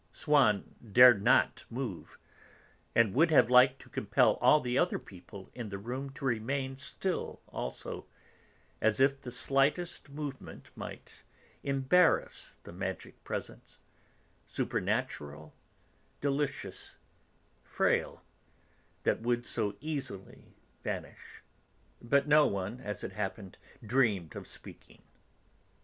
Swann dared not move, and would have liked to compel all the other people in the room to remain still also, as if the slightest movement might embarrass the magic presence, supernatural, delicious, frail, that would so easily vanish. But no one, as it happened, dreamed of speaking.